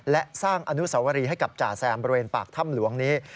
และสร้างอนุสวรีให้กับจ่าแซมบริเวณปากถ้ำหลวงนี้